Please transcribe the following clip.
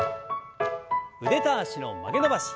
腕と脚の曲げ伸ばし。